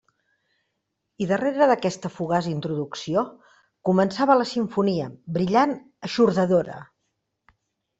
I darrere d'aquesta fugaç introducció, començava la simfonia, brillant, eixordadora.